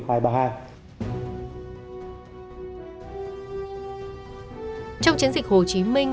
trong chiến dịch hồ chí minh